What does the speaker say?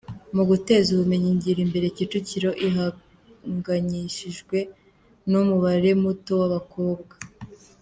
Mu guteza ubumenyingiro imbere Kicukiro ihangayikishijwe n’umubare muto w’abakobwa